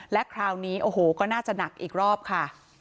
และคราวนี้โอ้โหก็น่าจะหนักอีกรอบค่ะ